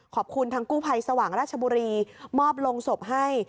ขอบคุณทางกู้ภัยสว่างราชบุรีมอบลงศพให้